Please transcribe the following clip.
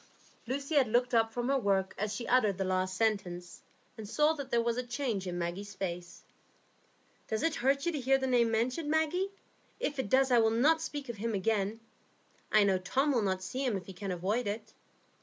Lucy had looked up from her work as she uttered the last sentence, and saw that there was a change in Maggie's face. "Does it hurt you to hear the name mentioned, Maggie? If it does, I will not speak of him again. I know Tom will not see him if he can avoid it."